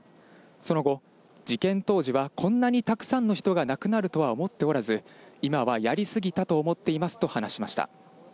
その後、事件当時はこんなにたくさんの人が亡くなるとは思っておらず、今はやりすぎたと思っていますと話しました。